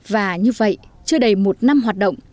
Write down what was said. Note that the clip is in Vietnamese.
và như vậy chưa đầy một năm hoạt động